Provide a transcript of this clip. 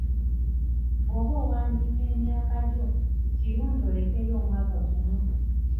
Bw’oba owandiika emyaka gyo kirungi olekeyo omwaka gumu.